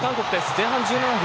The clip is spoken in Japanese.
前半１７分。